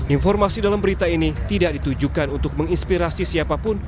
informasi dalam berita ini tidak ditujukan untuk menginspirasi siapapun